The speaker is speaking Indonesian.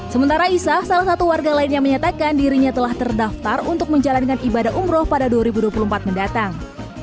sementara isa salah satu warga lainnya menyatakan dirinya telah terdaftar untuk menjalankan ibadah umroh pada dua ribu dua puluh empat mendatang